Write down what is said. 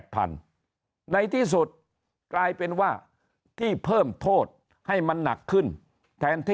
พันในที่สุดกลายเป็นว่าที่เพิ่มโทษให้มันหนักขึ้นแทนที่